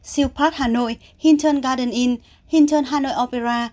siêu park hà nội hinton garden hinton hà nội opera